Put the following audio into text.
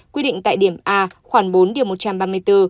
quy định tại điểm a khoảng bốn điều một trăm ba mươi bốn